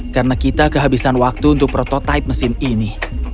karena kita kehabisan waktu untuk prototipe mesin ini